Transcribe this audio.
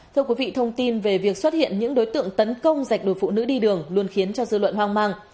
thưa quý vị thông tin về việc xuất hiện những đối tượng tấn công dạnh đồ phụ nữ đi đường luôn khiến cho dư luận hoang mang